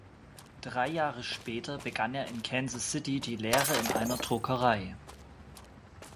Drei Jahre später begann er in Kansas City die Lehre in einer Druckerei.